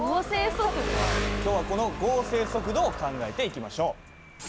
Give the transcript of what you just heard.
今日はこの合成速度を考えていきましょう。